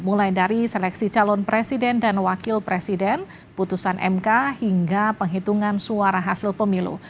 mulai dari seleksi calon presiden dan wakil presiden putusan mk hingga penghitungan suara hasil pemilu